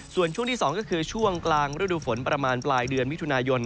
ส่วนช่วงที่๒ก็คือช่วงกลางฤดูฝนประมาณปลายเดือนมิถุนายน